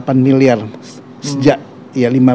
populasi planet ini sekarang sudah delapan miliar